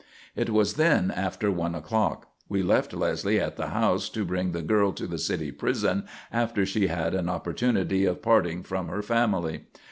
It was then after one o'clock. We left Leslie at the house to bring the girl to the city prison after she had an opportunity of parting from her family.